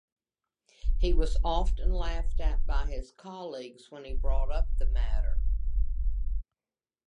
He was often laughed at by his colleagues when he brought up the matter.